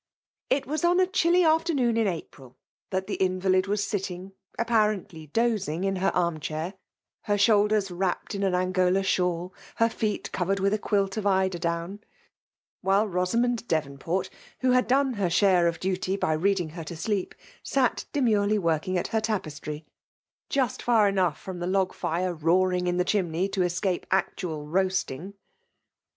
It was on a chilly afternoon in April that the invalid was sitting, apparently dozing, in her aim chair, her shoulders wrapt in an An gola sluMwl, her feet cov^ed with a quilt of dder down ; while Bosamond Devonport, who had done her share of duty by reading her to sleep, sat demurely working at her tapestry, jast far enough from the log fire roaring in the ishimney, to escape actual roasting.